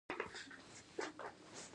ډبره د جاذبې له امله ځمکې ته لویږي.